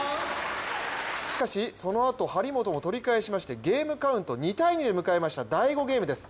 しかしそのあと張本も取り返しましてゲームカウント２−２で迎えました第５ゲームです。